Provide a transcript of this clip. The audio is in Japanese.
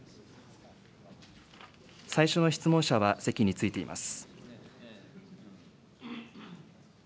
最初の質問者は席に着いています。